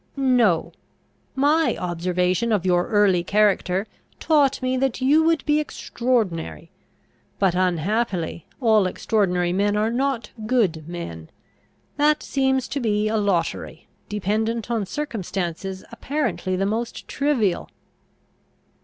"No. My observation of your early character taught me that you would be extraordinary; but, unhappily, all extraordinary men are not good men: that seems to be a lottery, dependent on circumstances apparently the most trivial."